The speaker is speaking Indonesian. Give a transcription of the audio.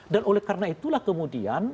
dan oleh karena itulah kemudian